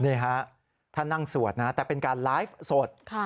นี่ฮะท่านนั่งสวดนะแต่เป็นการไลฟ์สด